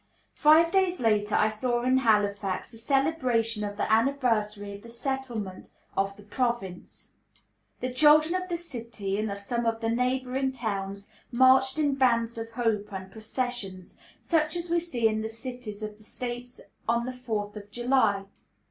Five days later I saw in Halifax the celebration of the anniversary of the settlement of the province. The children of the city and of some of the neighboring towns marched in "bands of hope" and processions, such as we see in the cities of the States on the Fourth of July.